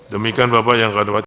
demikian bapak yang raduat